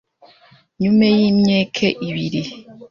Nyume y’imyeke ibiri ,